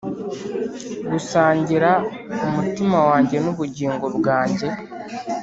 gusangira umutima wanjye n'ubugingo bwanjye.